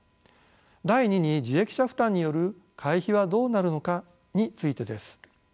第二に受益者負担による会費はどうなるのかについてです。